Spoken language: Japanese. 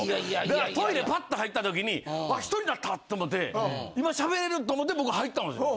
だからトイレパッと入った時に１人なったと思って今喋れると思って僕入ったんですよ。